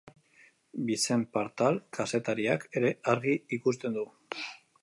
Vicent Partal kazetariak ere argi ikusten du.